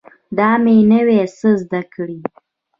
دا مې نوي څه زده کړي